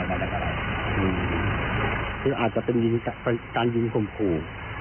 อืมอืมหรืออาจจะเป็นยิงกับตาร์ยิงกลมขู่